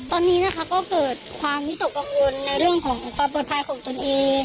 ตอนนี้นะคะก็เกิดความวิตกกังวลในเรื่องของความปลอดภัยของตนเอง